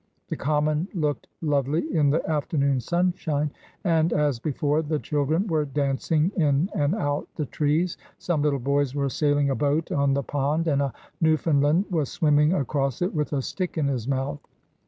The common looked lovely in the afternoon sunshine, and, as before, the children were dancing in and out the trees. Some little boys were sailing a boat on the pond, and a Newfoundland was swimming across it with a stick in his mouth.